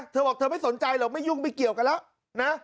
เธอบอกเธอไม่สนใจหรอกไม่ยุ่งไม่เกี่ยวกันแล้วนะ